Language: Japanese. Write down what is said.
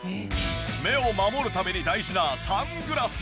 目を守るために大事なサングラス。